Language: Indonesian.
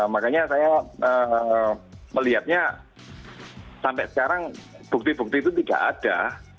makanya saya melihatnya sampai sekarang bukti bukti itu tidak ada